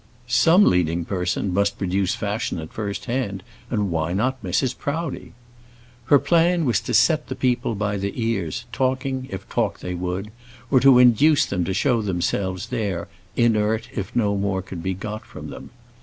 Some leading person must produce fashion at first hand, and why not Mrs. Proudie? Her plan was to set the people by the ears talking, if talk they would, or to induce them to show themselves there inert if no more could be got from them.